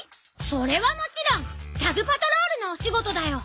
それはもちろんチャグ・パトロールのお仕事だよ。